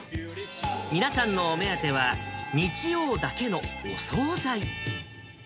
皆さんのお目当ては、日曜だけのお総菜。